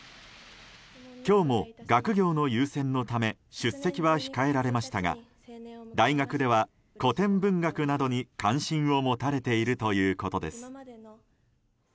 今日も、学業の優先のため出席は控えられましたが大学では、古典文学などに関心を持たれているということです。